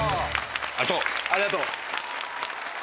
ありがとう。